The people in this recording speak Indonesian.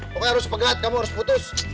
pokoknya harus pegat kamu harus putus